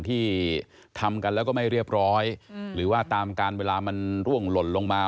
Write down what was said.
ที่ทำกันแล้วก็ไม่เรียบร้อยหรือว่าตามการเวลามันร่วงหล่นลงมา